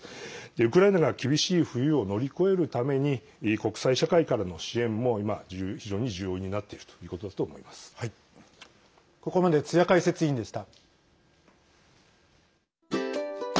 ウクライナが厳しい冬を乗り越えるために国際社会からの支援も今、非常に重要になっているここまで津屋解説委員でした。